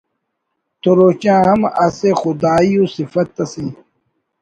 تو روچہ ہم اسہ خدائی ءُ سفت اسے